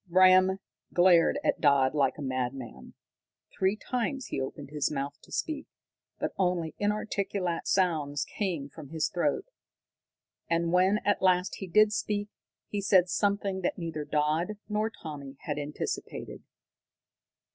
Bram glared at Dodd like a madman. Three times he opened his mouth to speak, but only inarticulate sounds came from his throat. And when at last he did speak, he said something that neither Dodd nor Tommy had anticipated.